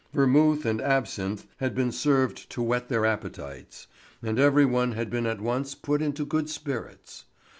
Vermouth and absinthe had been served to whet their appetites, and every one had been at once put into good spirits.